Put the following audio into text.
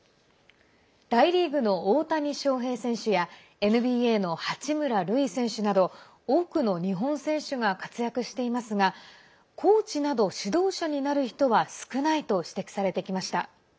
大リーグの大谷翔平選手やＮＢＡの八村塁選手など多くの日本選手が活躍していますがコーチなど指導者になる人は少ないと指摘されてきました。